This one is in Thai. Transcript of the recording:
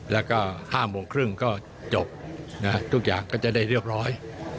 แล้วก็๕โมงครึ่งก็จบทุกอย่างก็จะได้เรียบร้อย